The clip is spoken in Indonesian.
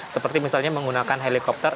seperti misalnya menggunakan helikopter